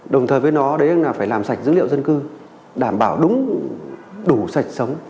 đồng thời với nó là phải làm sạch dữ liệu dân cư đảm bảo đúng đủ sạch sống